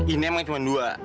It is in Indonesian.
ini emang cuma dua